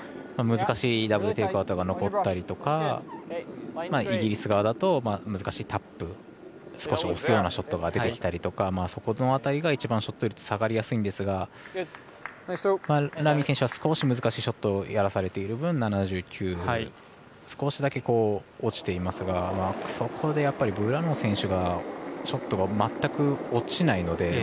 難しいダブル・テイクアウトが残ったりとかイギリス側だと難しいタップ少し押すようなショットが出てきたりとかそこの辺りが一番ショット率下がりやすいんですがラミー選手は少し難しいショットをやらされている分７９％、少しだけ落ちていますがそこでブラノー選手が全く落ちないので。